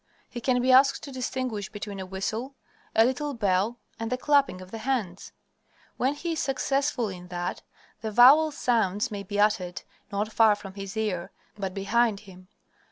He can be asked to distinguish between a whistle, a little bell, and the clapping of the hands. When he is successful in that, the vowel sounds may be uttered not far from his ear, but behind him.